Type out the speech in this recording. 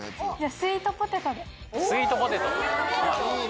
スイートポテト。